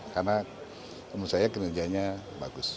karena menurut saya kinerjanya bagus